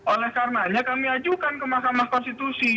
oleh karenanya kami ajukan ke mahkamah konstitusi